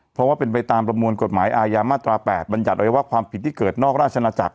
เพราะว่าเป็นไปตามประมวลกฎหมายอาญามาตรา๘บัญญัติไว้ว่าความผิดที่เกิดนอกราชนาจักร